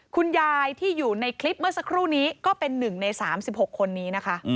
คุณยายที่อยู่ในคลิปเมื่อสักครู่นี้ก็เป็น๑ใน๓๖คนนี้นะคะ